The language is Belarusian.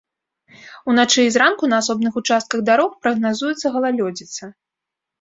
Уначы і зранку на асобных участках дарог прагназуецца галалёдзіца.